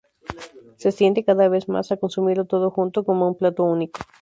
Se tiende cada vez más a consumirlo todo junto, como un plato único.